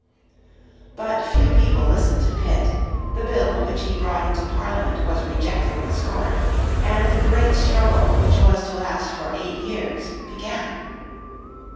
But few people listened to Pitt, the bill which he brought into Parliament was rejected with scorn, and the great struggle which was to last for eight years began.